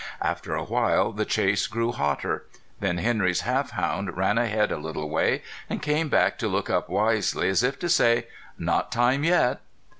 After a while the chase grew hotter. Then Henry's half hound ran ahead a little way, and came back to look up wisely, as if to say: "Not time yet!"